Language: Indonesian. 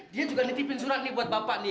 dia juga nitipin surat nih buat bapak nih